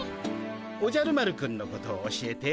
おじゃる丸くんのことを教えて。